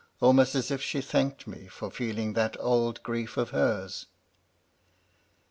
almost as if she thanked me for feeling that old grief of hers.